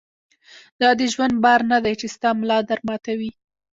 دا د ژوند بار نه دی چې ستا ملا در ماتوي.